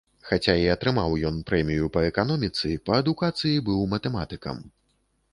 Хаця і атрымаў ён прэмію па эканоміцы, па адукацыі быў матэматыкам.